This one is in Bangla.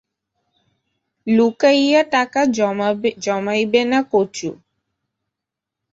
লুকাইয়া টাকা জমাইবে না কচু!